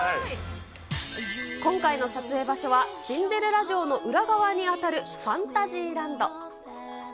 今回の撮影場所は、シンデレラ城の裏側にあたる、ファンタジーランド。